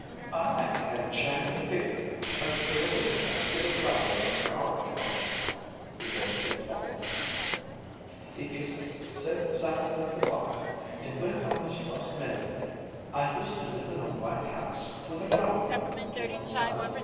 " I had a chiny figger, a girl with a basket of flowers on her arm, once," rejoined the tall one ; "it used to set side of the clock. An' when I was fust married I used to live in a white house, with a flower garden to one side.